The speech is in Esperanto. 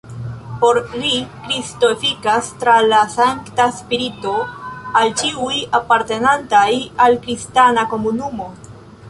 Por li Kristo efikas tra la Sankta Spirito al ĉiuj apartenantaj al kristana komunumo.